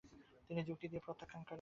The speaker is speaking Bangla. তিনি যুক্তি দিয়ে প্রত্যাখান করেন।